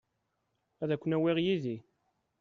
Ad ken-awiɣ yid-i.